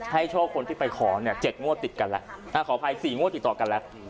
ให้โชคคนที่ไปขอเนี้ยเจ็ดงวดติดกันแหละอ่าขออภัยสี่งวดติดต่อกันแหละอืม